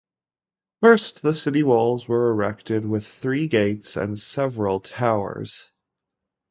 First the city walls were erected with three gates and several towers.